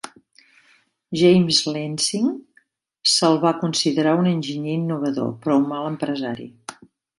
James Lansing se'l va considerar un enginyer innovador però un mal empresari.